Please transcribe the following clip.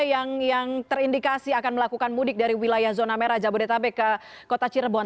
yang terindikasi akan melakukan mudik dari wilayah zona merah jabodetabek ke kota cirebon